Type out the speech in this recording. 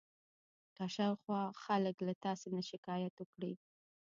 که شاوخوا خلک له تاسې نه شکایت وکړي.